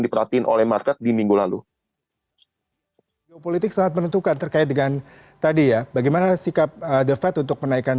diperhatiin oleh market di minggu lalu